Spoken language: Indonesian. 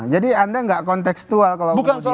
jadi anda enggak kontekstual kalau kemudian mengusir itu